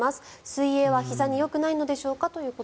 水泳はひざによくないのでしょうか？